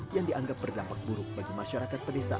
yang dianggap berdampak buruk bagi masyarakat pedesaan